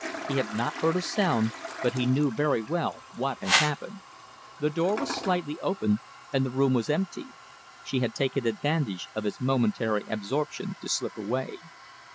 He had not heard a sound, but he knew very well what had happened. The door was slightly open and the room was empty. She had taken advantage of his momentary absorption to slip away.